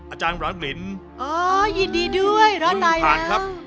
อาจารย์หลานลินคุณผ่านครับอ๋อยินดีด้วยราชนายแล้ว